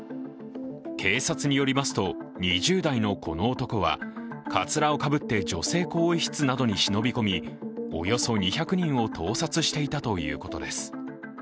警察によりますと２０代のこの男はかつらをかぶって女性更衣室などに忍び込み、およそ２００人を盗撮していたということです。